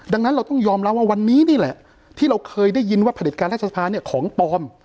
ดังนั้นเราต้องยอมรับว่าวันนี้นี่แหละที่เราเคยได้ยินว่าผลิตการรัฐสภาเนี่ยของปลอม